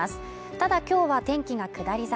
ただ今日は天気が下り坂